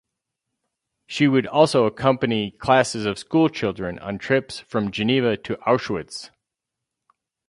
She would also accompany classes of schoolchildren on trips from Geneva to Auschwitz.